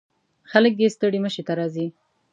خلک یې ستړي مشي ته راځي.